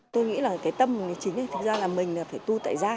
tôi nghĩ là cái tâm chính là mình phải tu tại gia